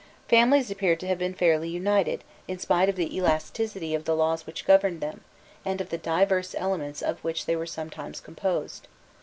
Families appear to have been fairly united, in spite of the elasticity of the laws which governed them, and of the divers elements of which they were sometimes composed.